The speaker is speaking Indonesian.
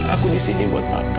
aku disini buat papa